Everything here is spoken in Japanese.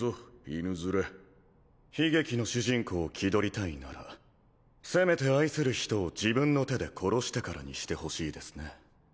犬面悲劇の主人公を気取りたいならせめて愛する人を自分の手で殺してからにしてほしいですね